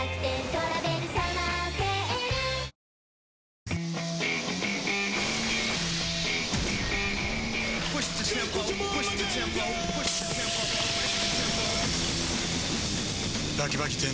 プシューッ！